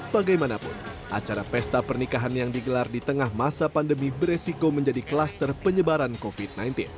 bagaimanapun acara pesta pernikahan yang digelar di tengah masa pandemi beresiko menjadi kluster penyebaran covid sembilan belas